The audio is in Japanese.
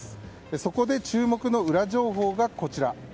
そこで注目のウラ情報がこちら。